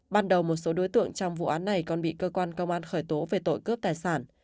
ban đầu một số đối tượng trong vụ án này còn bị cơ quan công an khởi tố về tội cướp tài sản